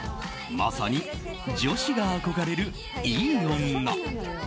まさに、女子が憧れるいい女。